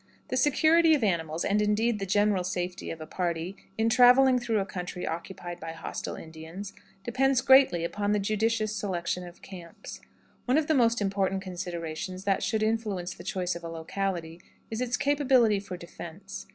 The security of animals, and, indeed, the general safety of a party, in traveling through a country occupied by hostile Indians, depends greatly upon the judicious selection of camps. One of the most important considerations that should influence the choice of a locality is its capability for defense.